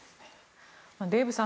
デーブさん